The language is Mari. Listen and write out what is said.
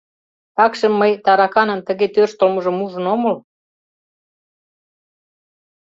Такшым мый тараканын тыге тӧрштылмыжым ужын омыл.